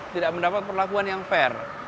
tidak mendapat perlakuan yang fair